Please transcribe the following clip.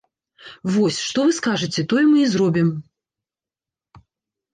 Вось, што вы скажаце, тое мы і зробім.